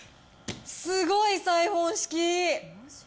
すごい、サイフォン式。